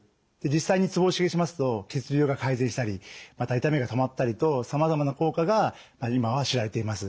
実際にツボを刺激しますと血流が改善したりまた痛みが止まったりとさまざまな効果が今は知られています。